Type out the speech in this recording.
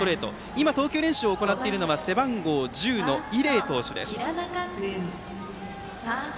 今、投球練習を行っているのは背番号１０の伊禮投手です。